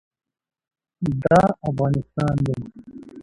افغانستان د ځنګلي حاصلاتو په برخه کې نړیوال شهرت لري.